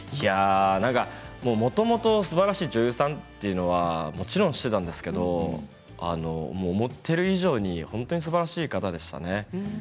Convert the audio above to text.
もともとすばらしい女優さんというのはもちろん知っていたんですけど思っている以上に本当にすばらしい方でしたね。